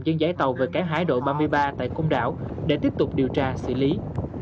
dân giấy tàu về cái hải đội ba mươi ba tại công đảo để tiếp tục điều tra xử lý